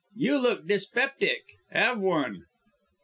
You look dyspeptic have one."